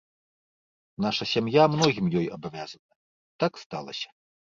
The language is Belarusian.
Наша сям'я многім ёй абавязаная, так сталася.